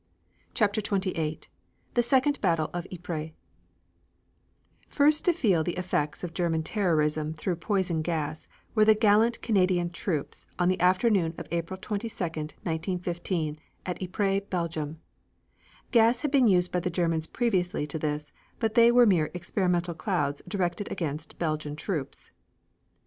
CHAPTER XXVIII THE SECOND BATTLE OF YPRES First to feel the effects of German terrorism through poison gas were the gallant Canadian troops on the afternoon of April 22, 1915, at Ypres, Belgium. Gas had been used by the Germans previously to this, but they were mere experimental clouds directed against Belgian troops.